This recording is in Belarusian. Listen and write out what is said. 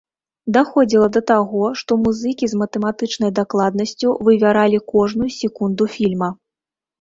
Даходзіла да таго, што музыкі з матэматычнай дакладнасцю вывяралі кожную секунду фільма.